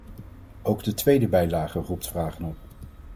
Ook de tweede bijlage roept vragen op.